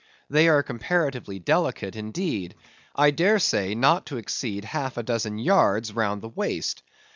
They are comparatively delicate, indeed; I dare say, not to exceed half a dozen yards round the waist.